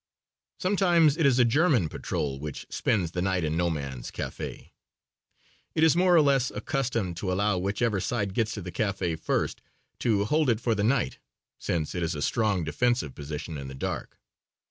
Sometimes it is a German patrol which spends the night in No Man's Café. It is more or less a custom to allow whichever side gets to the café first to hold it for the night, since it is a strong defensive position in the dark.